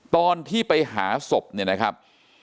ตอนที่ไปหาศพเนี่ยนะครับ